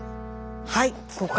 はい。